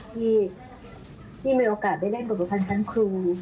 ที่มีโอกาสได้เล่นบริษัททั้งครู